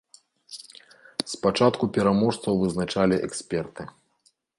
Спачатку пераможцаў вызначалі эксперты.